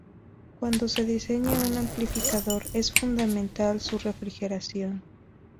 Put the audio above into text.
Cuando se diseña un amplificador, es fundamental su refrigeración.